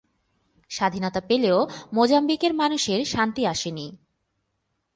স্বাধীনতা পেলেও মোজাম্বিকের মানুষের শান্তি আসেনি।